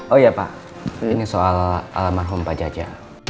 oh iya pak ini soal alam marhum pak jaja